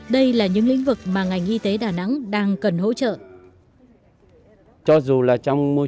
đây là những lĩnh vực mà ngành y tế đà nẵng đang cần hỗ trợ